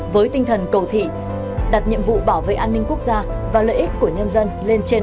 với tinh thần cầu thị đặt nhiệm vụ bảo vệ an ninh quốc gia và lợi ích của nhân dân lên trên